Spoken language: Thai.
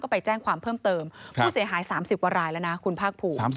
ไปแจ้งความเพิ่มเติมผู้เสียหาย๓๐กว่ารายแล้วนะคุณภาคภูมิ